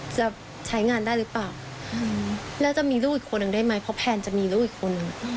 จะใช้งานได้หรือเปล่าแล้วจะมีลูกอีกคนหนึ่งได้ไหมเพราะแพลนจะมีลูกอีกคน